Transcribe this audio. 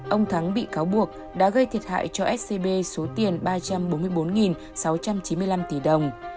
ông thắng bị cáo buộc đã gây thiệt hại cho scb số tiền ba trăm bốn mươi bốn sáu trăm chín mươi năm tỷ đồng